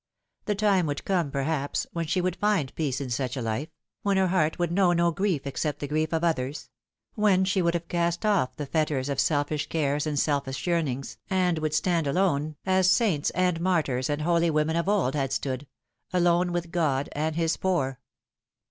The time would come, perhaps, when she would find peace in such a life when her heart would know no grief except the griefs of others ; when she would have cast off the fetters of selfish cares and selfish yearnings, and would stand alone, as saints and martyrs and holy women of old had stood alone with God and His poor.